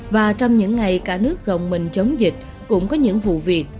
và trong những ngày cả nước gồng mình chống dịch cũng có những vụ việc